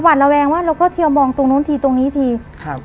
ระแวงว่าเราก็เทียวมองตรงนู้นทีตรงนี้ทีครับ